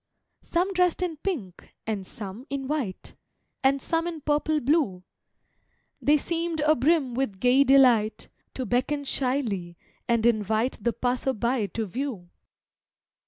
Some dress'd in pink, and some in white, And some in purple blue, They seemed abrim with gay delight, To beckon shyly, and invite The passer by to view.